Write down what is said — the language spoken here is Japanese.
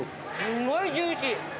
すごいジューシー。